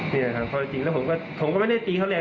นี่แหละครับพอจริงแล้วผมก็ไม่ได้ตีเขาแรง